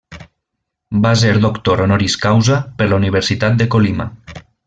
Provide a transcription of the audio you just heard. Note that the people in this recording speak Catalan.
Va ser doctor honoris causa per la Universitat de Colima.